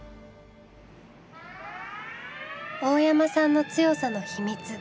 大山さんの強さの秘密。